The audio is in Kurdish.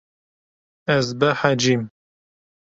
Ez behecîm.